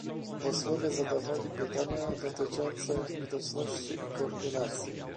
Posłowie zadawali pytania dotyczące widoczności i koordynacji